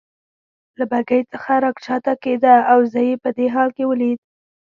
له بګۍ څخه راکښته کېده او زه یې په دې حال کې ولید.